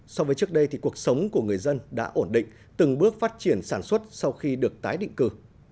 so với trước đây thì cuộc sống của người dân đã ổn định từng bước phát triển sản xuất sau khi được tái định cư